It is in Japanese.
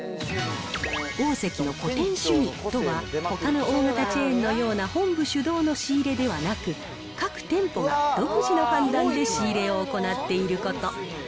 オオゼキの個店主義とは、ほかの大型チェーンのような本部主導の仕入れではなく、各店舗が独自の判断で仕入れを行っていること。